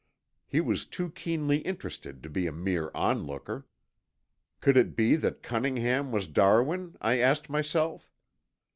He was too keenly interested to be a mere on looker. Could it be that Cunningham was Darwin, I asked myself.